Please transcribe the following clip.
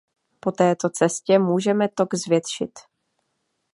Po této cestě můžeme tok zvětšit.